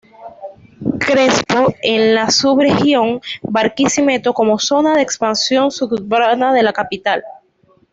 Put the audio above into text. Crespo en la subregión Barquisimeto como zona de expansión suburbana de la capital.